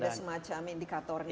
jadi ada semacam indikatornya